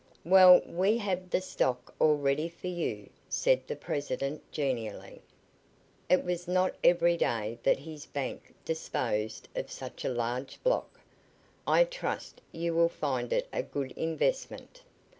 "Well, we have the stock all ready for you," said the president genially. It was not every day that his bank disposed of such a large block. "I trust you will find it a good investment."